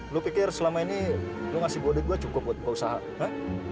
lo pikir selama ini lo ngasih bodi gue cukup buat buka usaha ha